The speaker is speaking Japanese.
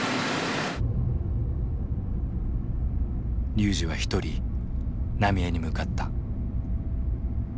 龍司は一人浪江に向かった。